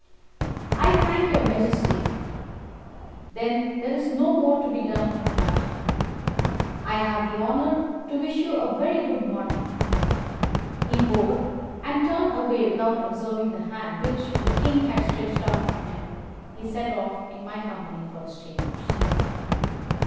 "I thank your Majesty. Then there is no more to be done in the matter. I have the honour to wish you a very good morning." He bowed, and, turning away without observing the hand which the King had stretched out to him, he set off in my company for his chambers.